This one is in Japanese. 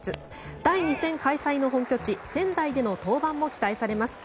第２戦開催の本拠地仙台での登板も期待されます。